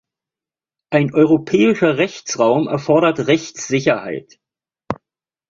Ein europäischer Rechtsraum erfordert Rechtssicherheit.